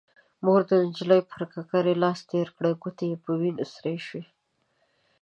مور د نجلۍ پر ککرۍ لاس تير کړ، ګوتې يې په وينو سرې شوې.